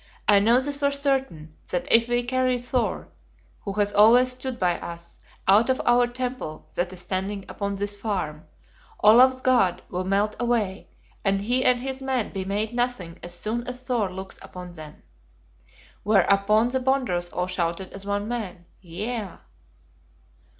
I know this for certain, that if we carry Thor, who has always stood by us, out of our Temple that is standing upon this farm, Olaf's God will melt away, and he and his men be made nothing as soon as Thor looks upon them." Whereupon the Bonders all shouted as one man, "Yea!"